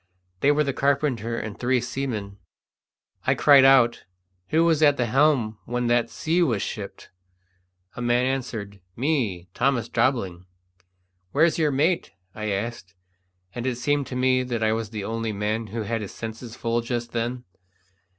They were the carpenter and three seamen. I cried out, "Who was at the helm when that sea was shipped?" A man answered, "Me, Thomas Jobling." "Where's your mate?" I asked; and it seemed to me that I was the only man who had his senses full just then.